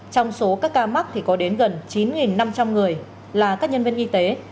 trong số các ca mắc thì có đến gần chín năm trăm linh người là các nhân viên y tế